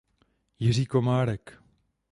Jiří Komárek.